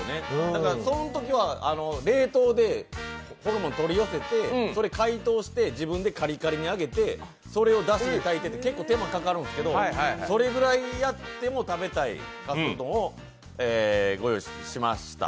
だからそのときは冷凍でホルモン取り寄せてそれを解凍して自分でカリカリに揚げてそれをだしでたいてって、結構手間がかかるんですけど、それぐらいやっても食べたいかすうどんをご用意しました。